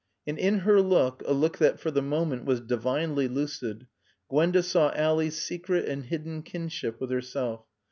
And in her look, a look that for the moment was divinely lucid, Gwenda saw Ally's secret and hidden kinship with herself.